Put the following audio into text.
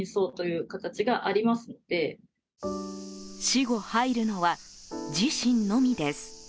死後、入るのは自身のみです。